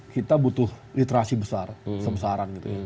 kita butuh literasi besar